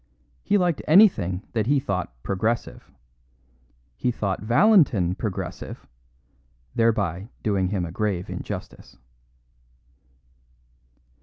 He liked anything that he thought "progressive." He thought Valentin "progressive," thereby doing him a grave injustice.